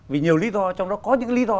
vì nhiều lý do trong đó có những lý do